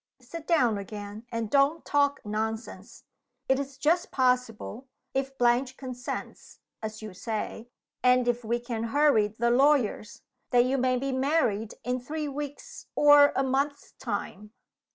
Sit down again; and don't talk nonsense. It is just possible if Blanche consents (as you say), and if we can hurry the lawyers that you may be married in three weeks' or a month's time."